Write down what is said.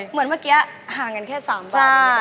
เพราะฉันเมื่อกี้หางันแค่๓บาท